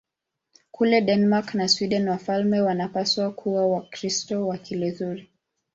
Kule Denmark na Sweden wafalme wanapaswa kuwa Wakristo wa Kilutheri.